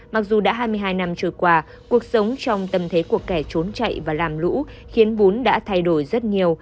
mặc dù đã hai mươi hai năm trôi qua cuộc sống trong tâm thế của kẻ trốn chạy và làm lũ khiến bún đã thay đổi rất nhiều